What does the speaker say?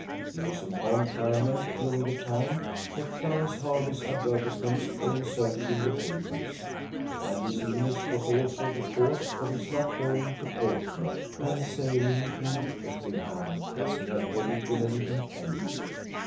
He was in confinement during the time that Clarence Hervey's advertisements were inserted in the papers; and his illness was also the cause of his not going to Portsmouth, and sailing in the Effingham, as he had originally intended.